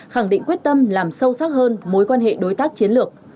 khẳng định quyết tâm làm sâu sắc hơn mối quan hệ đối tác chiến lược